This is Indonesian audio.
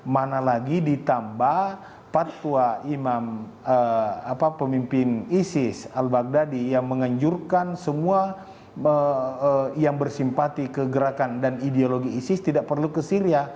mana lagi ditambah patwa imam pemimpin isis al baghdadi yang menganjurkan semua yang bersimpati ke gerakan dan ideologi isis tidak perlu ke syria